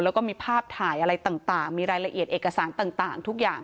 แล้วก็มีภาพถ่ายอะไรต่างมีรายละเอียดเอกสารต่างทุกอย่าง